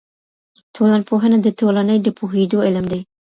ټولنپوهنه د ټولني د پوهېدو علم دی.